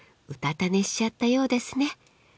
うたた寝しちゃったようですね。